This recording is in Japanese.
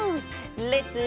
レッツ。